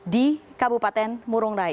di kabupaten murung raya